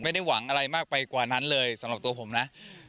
ไม่ได้หวังอะไรมากไปกว่านั้นเลยสำหรับตัวผมนะ